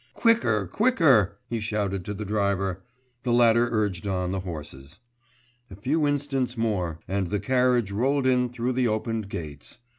'Quicker, quicker!' he shouted to the driver; the latter urged on the horses. A few instants more ... and the carriage rolled in through the opened gates....